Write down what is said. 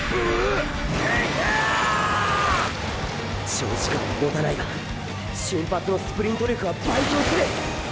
長時間はもたないが瞬発のスプリント力は倍増する！